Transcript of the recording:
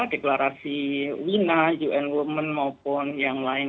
deklarasi wina un women maupun yang lain